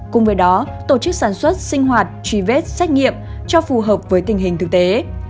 cùng với đó tổ chức sản xuất sinh hoạt truy vết xét nghiệm cho phù hợp với tình hình thực tế